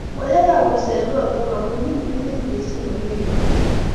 koyayak ruset noto amu kiminingit mising olegebunei